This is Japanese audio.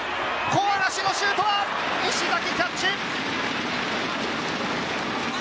小嵐のシュートは石崎、キャッチ。